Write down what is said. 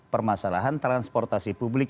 permasalahan transportasi publik